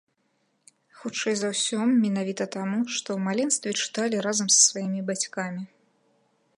Хутчэй за ўсё, менавіта таму, што ў маленстве чыталі разам са сваімі бацькамі.